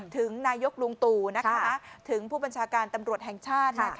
ถึงนายกลุงตู่ถึงผู้บัญชาการตำรวจแห่งชาติ